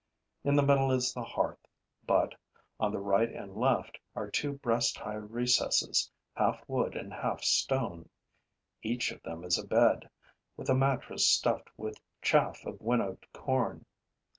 In the middle is the hearth, but, on the right and left, are two breast high recesses, half wood and half stone. Each of them is a bed, with a mattress stuffed with chaff of winnowed corn.